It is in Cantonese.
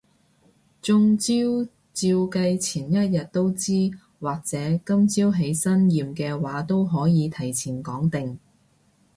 中招照計前一日都知，或者今朝起身驗嘅話都可以提早講定